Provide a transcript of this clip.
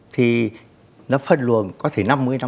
thì nó phân luận có thể năm mươi năm mươi